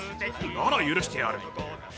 なら、許してやる。